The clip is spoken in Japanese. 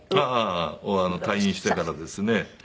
ああー。は退院してからですね。